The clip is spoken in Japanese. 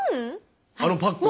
あのパック？